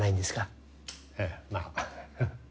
ええまあ。